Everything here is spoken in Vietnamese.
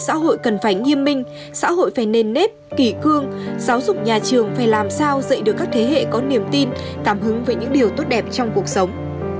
xã hội cần phải nghiêm minh xã hội phải nền nếp kỷ cương giáo dục nhà trường phải làm sao dạy được các thế hệ có niềm tin cảm hứng về những điều tốt đẹp trong cuộc sống